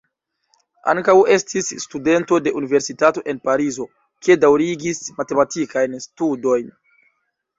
Ankaŭ estis studento de Universitato en Parizo, kie daŭrigis matematikajn studojn.